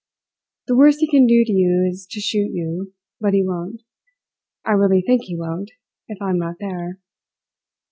"The worst he can do to you is to shoot you, but he won't. I really think he won't, if I am not there.